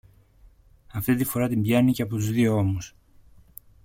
Αυτή τη φορά την πιάνει και από τους δύο ώμους